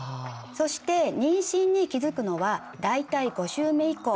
そして妊娠に気付くのは大体５週目以降。